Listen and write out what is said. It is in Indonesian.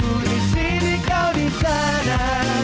kudisini kau disana